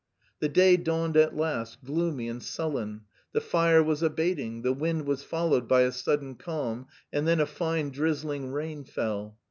The day dawned at last, gloomy and sullen. The fire was abating; the wind was followed by a sudden calm, and then a fine drizzling rain fell.